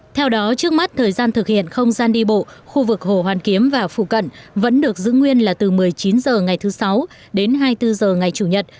theo đó trước mắt thời gian thực hiện không gian đi bộ khu vực hồ hoàn kiếm và phụ cận vẫn được giữ nguyên là từ một mươi chín h ngày thứ sáu đến hai mươi bốn h ngày chủ nhật